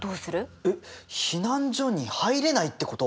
避難所に入れないってこと？